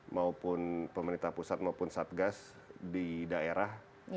maupun pemerintah pusat maupun satgas di daerah